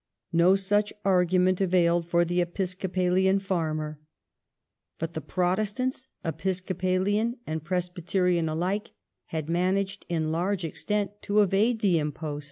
No such argument availed for the Episcopalian farmer. But the Protestants, Episcopalian and Presbyterian alike, had managed in large measure to evade the impost.